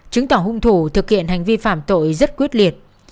chứng tỏ hung thủ thực hiện hành vi phạm tội rất quyết liệt